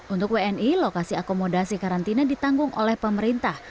untuk wni lokasi akomodasi karantina ditanggung oleh pemerintah